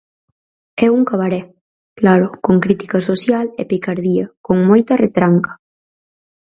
É un cabaré, claro, con crítica social e picardía, con moita retranca.